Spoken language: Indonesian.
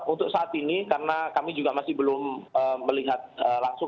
untuk saat ini karena kami juga masih belum melihat langsung